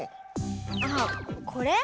ああこれ？